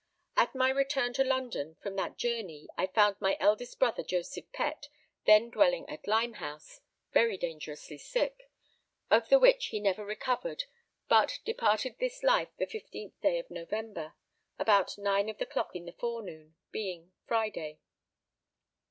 At my return to London from that journey I found my eldest brother Joseph Pett, then dwelling at Limehouse, very dangerously sick, of the which he never recovered but departed this life the 15th day of November about 9 of the clock in the forenoon, being Friday.